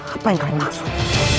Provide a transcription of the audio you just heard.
apa yang kalian maksud